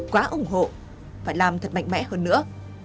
quá ủng hộ phải làm thật mạnh mẽ hơn nữa